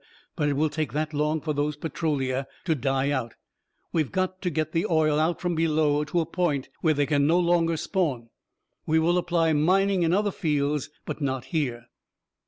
But it will take that long for those Petrolia to die out. We've got to get the oil out from below to a point where they can no longer spawn. We will apply mining in other fields but not here!"